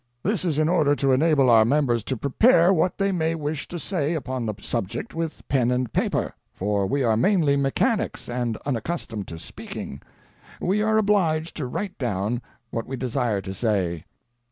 This is in order to enable our members to prepare what they may wish to say upon the subject with pen and paper, for we are mainly mechanics and unaccustomed to speaking. We are obliged to write down what we desire to say."